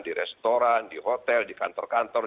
di restoran di hotel di kantor kantor